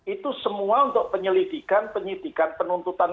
itu semua untuk penyelidikan penyidikan penuntutan